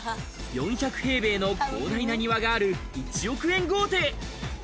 ４００平米の広大な庭がある１億円豪邸。